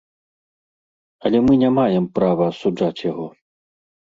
Але мы не маем права асуджаць яго.